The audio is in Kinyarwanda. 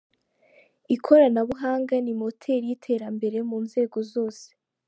Ikoranabuhanga ni moteri y’iterambere mu nzego zose.